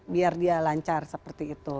biar dia lancar seperti itu